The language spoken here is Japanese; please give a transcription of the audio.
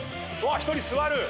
１人座る。